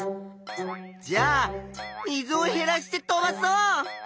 じゃあ水をへらして飛ばそう！